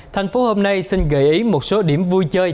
thành phố hôm nay xin gợi ý một số điểm vui chơi